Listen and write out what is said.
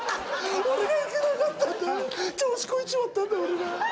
「俺がいけなかったんだ調子こいちまったんだ俺が」